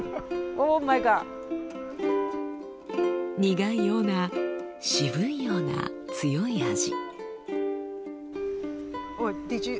苦いような渋いような強い味。